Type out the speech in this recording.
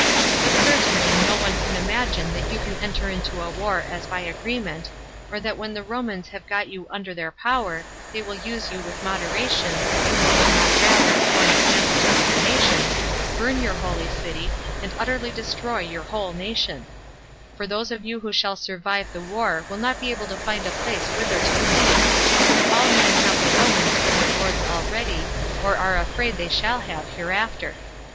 But certainly no one can imagine that you can enter into a war as by agreement, or that when the Romans have got you under their power, they will use you with moderation, or will not rather, for an example to other nations, burn your holy city, and utterly destroy your whole nation; for those of you who shall survive the war will not be able to find a place whither to flee, since all men have the Romans for their lords already, or are afraid they shall have hereafter.